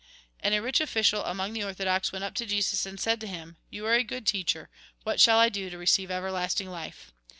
" And a rich oflicial among the orthodox went up to Jesus, and said to him :" You are a good teacher, what shall I do to receive everlasting life